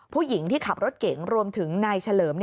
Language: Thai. ผู้หญิงที่ขับรถเก๋งรวมถึงนายเฉลิม